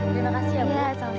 terima kasih ibu